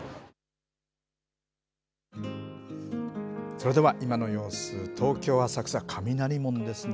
それでは今の様子、東京・浅草、雷門ですね。